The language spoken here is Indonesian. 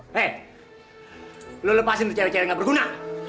leh lo lepasin tuh cewek cewek yang gak berguna